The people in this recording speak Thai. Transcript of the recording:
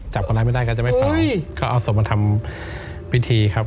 จับกำไรไม่ได้ก็จะไม่เผาเขาเอาสมมาทำพิธีครับ